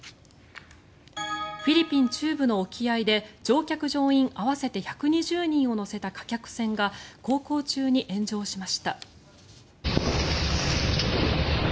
フィリピン中部の沖合で乗客・乗員合わせて１２０人を乗せた貨客船が航行中に炎上しました。